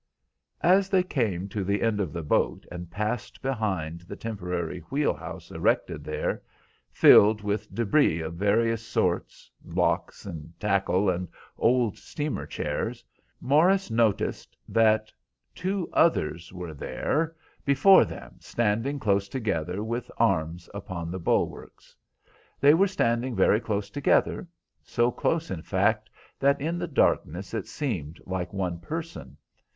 As they came to the end of the boat and passed behind the temporary wheel house erected there, filled with debris of various sorts, blocks and tackle and old steamer chairs, Morris noticed that two others were there before them standing close together with arms upon the bulwarks. They were standing very close together, so close in fact, that in the darkness, it seemed like one person.